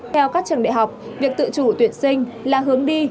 theo các trường đại học việc tự chủ tuyển sinh là hướng đi